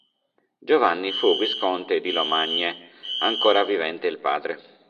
Giovanni fu visconte di Lomagne, ancora vivente il padre.